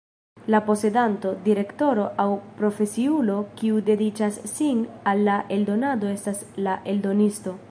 La posedanto, direktoro aŭ profesiulo, kiu dediĉas sin al la eldonado estas la eldonisto.